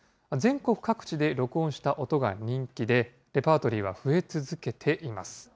全国各地で録音した音が人気で、レパートリーは増え続けています。